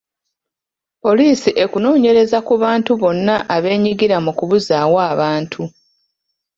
Poliisi ekunoonyereza ku bantu bonna abeenyigira mu kubuzaawo abantu.